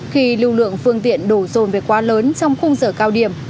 khi lưu lượng phương tiện đổ rồn về quá lớn trong khung giờ cao điểm